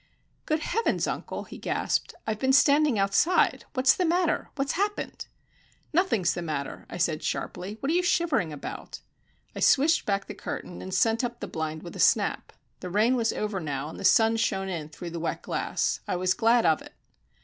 "Good heavens, uncle!" he gasped, "I've been standing outside. What's the matter? What's happened?" "Nothing's the matter," I said sharply. "What are you shivering about?" I swished back the curtain, and sent up the blind with a snap. The rain was over now, and the sun shone in through the wet glass I was glad of it.